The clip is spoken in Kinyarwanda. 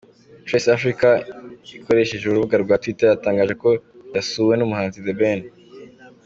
Trace Africa ikoresheje urubuga rwa Twitter yatangaje ko yasuwe n'umuhanzi The Ben.